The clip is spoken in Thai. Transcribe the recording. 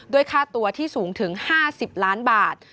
ค่าตัวที่สูงถึง๕๐ล้านบาท